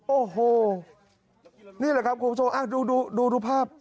โอ้โฮนี่แหละครับครูโซดูภาพ